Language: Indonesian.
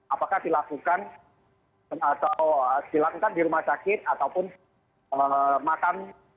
apakah dilakukan di rumah sakit ataupun makan